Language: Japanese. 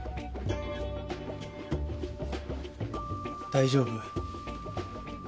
大丈夫？